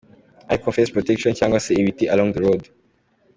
ariko fence protection cg se ibiti along the road.